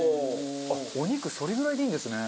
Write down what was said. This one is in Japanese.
お肉それぐらいでいいんですね。